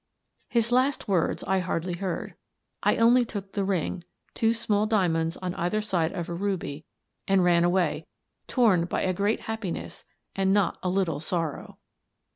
His last words I hardly heard. I only took the ring — two small diamonds on either side of a ruby — and ran away, torn by a great happiness and not a little sorrow.